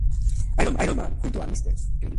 Iron Man junto a Mr.